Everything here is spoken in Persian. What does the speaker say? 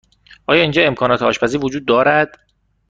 آیا اینجا امکانات آشپزی وجود دارد؟